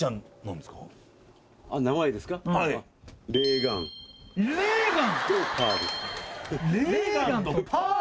でレーガン。